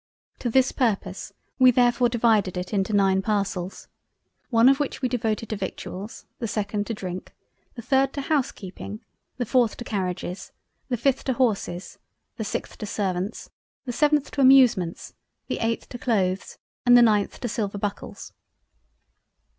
To this purpose we therefore divided it into nine parcels, one of which we devoted to Victuals, the 2d to Drink, the 3d to Housekeeping, the 4th to Carriages, the 5th to Horses, the 6th to Servants, the 7th to Amusements, the 8th to Cloathes and the 9th to Silver Buckles.